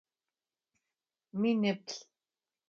Миниплӏ.